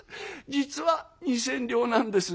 実は二千両なんです」。